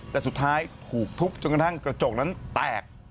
แต่สุดท้ายถูกทุบจนกระทั่งกระจกนั้นแตก